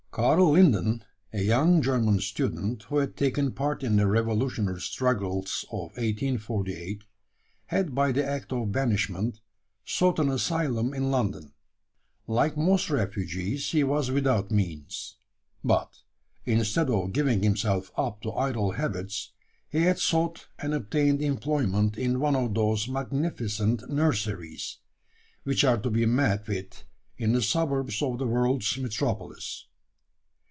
Karl Linden, a young German student, who had taken part in the revolutionary struggles of 1848, had by the act of banishment sought an asylum in London. Like most refugees, he was without means; but, instead of giving himself up to idle habits, he had sought and obtained employment in one of those magnificent "nurseries" which are to be met with in the suburbs of the world's metropolis.